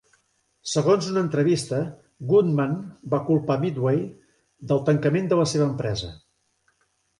Segons una entrevista, Goodman va culpar Midway del tancament de la seva empresa.